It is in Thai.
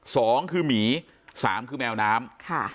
สองคือหมีสามคือแมวน้ำค่ะ